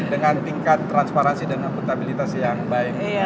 dengan tingkat transparansi dan akuntabilitas yang baik